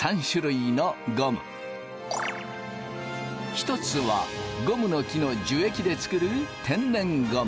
１つはゴムの木の樹液で作る天然ゴム。